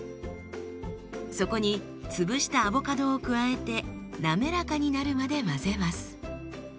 そこに潰したアボカドを加えて滑らかになるまで混ぜます。